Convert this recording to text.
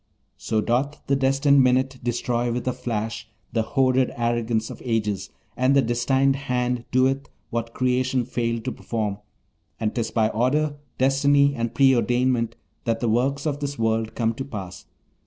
So doth the destined minute destroy with a flash the hoarded arrogance of ages; and the destined hand doeth what creation failed to perform; and 'tis by order, destiny, and preordainment, that the works of this world come to pass.